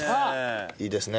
いいですね。